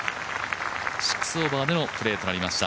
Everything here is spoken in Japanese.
６オーバーでのプレーとなりました。